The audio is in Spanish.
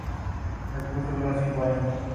El curso dura cinco años.